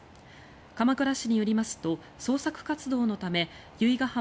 鎌倉市によりますと捜索活動のため由比ガ浜